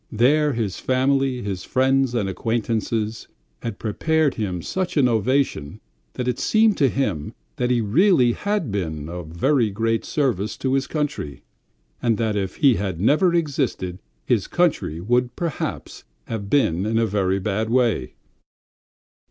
There his family, his friends, and acquaintances had prepared him such an ovation that it seemed to him that he really had been of very great service to his country, and that if he had never existed his country would perhaps have been in a very bad way.